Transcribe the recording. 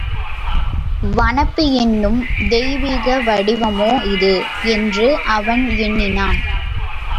வனப்பு என்னும் தெய்வீக வடிவமோ இது! என்று அவன் எண்ணினான்.